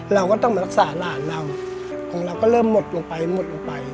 เราก็ต้องมารักษาหลานเราของเราก็เริ่มหมดลงไปหมดลงไป